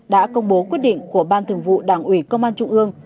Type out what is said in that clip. đã công bố quyết định của ban thường vụ đảng ủy công an trung ương